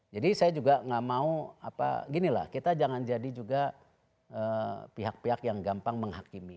jadi saya juga gak mau apa gini lah kita jangan jadi juga pihak pihak yang gampang menghakimi